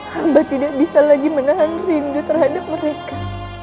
hamba tidak bisa lagi menahan rindu terhadap mereka